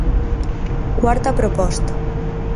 Cuarta proposta.